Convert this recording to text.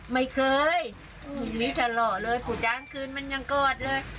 ไม่เคยมุนทีจะหล่อเลยคู่จ้างคืนมันยังกอดเลย